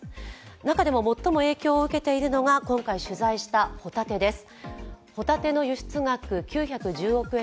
中でも最も影響を受けているのが、今回取材したホタテです。